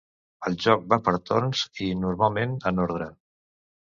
El joc va per torns i, normalment, en ordre.